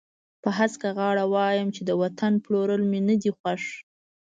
په هسکه غاړه وایم چې د وطن پلورل مې نه دي خوښ.